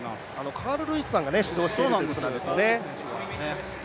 カール・ルイスさんが指導をしているということなんですよね。